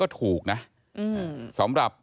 เลขทะเบียนรถจากรยานยนต์